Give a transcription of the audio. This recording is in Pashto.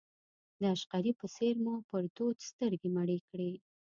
د عشقري په څېر مو پر دود سترګې مړې کړې.